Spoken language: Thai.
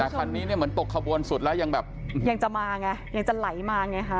คันนี้เนี่ยเหมือนตกขบวนสุดแล้วยังแบบยังจะมาไงยังจะไหลมาไงฮะ